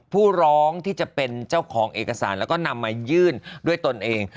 ผู้ร้องที่จะเป็นเจ้าของเอกสารแล้วก็นำมายื่นด้วยตนเอง